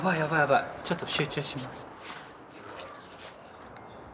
ちょっと集中します。